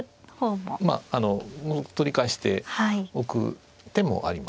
まあ取り返しておく手もあります。